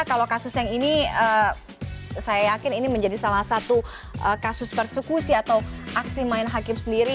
kalau kasus yang ini saya yakin ini menjadi salah satu kasus persekusi atau aksi main hakim sendiri